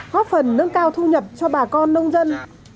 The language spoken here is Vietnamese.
góp phần nâng cao thu nhập cho bà con nông dân